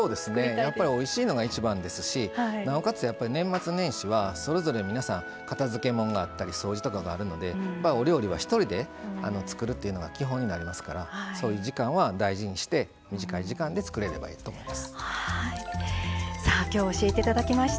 やっぱりおいしいのが一番ですしなおかつ、年末年始はそれぞれ皆さん片づけ物があったり掃除とかあるのでお料理は一人で作るというのが基本になりますからそういう時間は大事にして短い時間で作れればいいと思います。